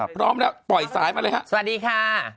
พร้อมแล้วปล่อยสายมาเลยฮะสวัสดีค่ะ